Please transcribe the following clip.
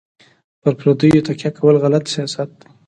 په پردیو تکیه کول غلط سیاست دی.